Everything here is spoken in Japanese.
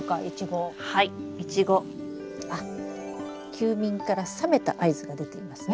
休眠から覚めた合図が出ていますね。